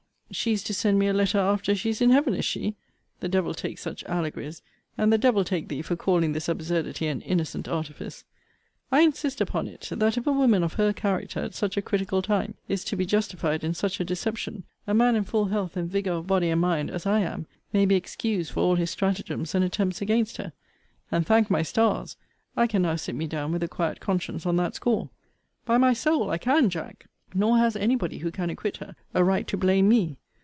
She is to send me a letter after she is in Heaven, is she? The devil take such allegories, and the devil take thee for calling this absurdity an innocent artifice! I insist upon it, that if a woman of her character, at such a critical time, is to be justified in such a deception, a man in full health and vigour of body and mind, as I am, may be excused for all his stratagems and attempts against her. And, thank my stars, I can now sit me down with a quiet conscience on that score. By my soul, I can, Jack. Nor has any body, who can acquit her, a right to blame me.